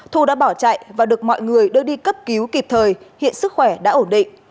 thu đã bỏ chạy và được mọi người đưa đi cấp cứu kịp thời hiện sức khỏe đã ổn định